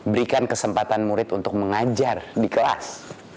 berikan kesempatan murid untuk mengajar di kelas